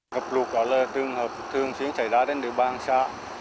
ngập lụt là trường hợp thường xuyên xảy ra đến địa bàn xa